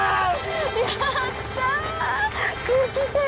やったー